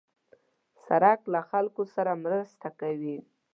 سړک له خلکو سره مرسته کوي.